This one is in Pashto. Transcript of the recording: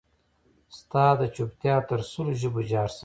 ستا دچوپتیا تر سلو ژبو جارشم